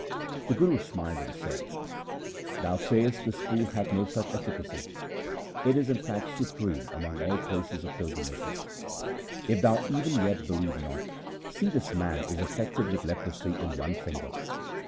The Guru smiled and said :' Thou say est this pool hath no such efficacy. It is in fact supreme among all places of pilgrimages. If thou even yet believe not, see this man is affected with leprosy in one finger.